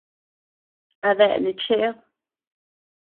¿Adeea neʼe cheed?.